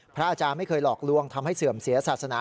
พระอาจารย์ไม่เคยหลอกลวงทำให้เสื่อมเสียศาสนา